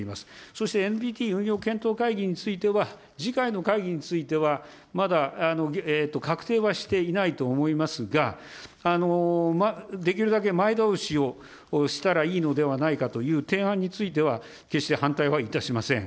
そしてＮＰＴ運用検討会議については、次回の会議については、まだ確定はしていないと思いますが、できるだけ前倒しをしたらいいのではないかという提案については、決して反対はいたしません。